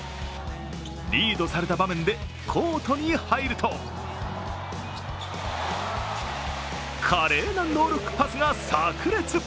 リードされた場面でコートに入ると華麗なノールックパスが炸裂。